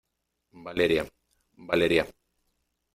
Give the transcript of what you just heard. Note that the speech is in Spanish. Valeria. Valeria .